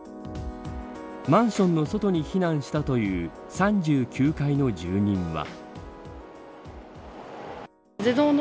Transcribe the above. マンションの外に避難したという３９階の住民は。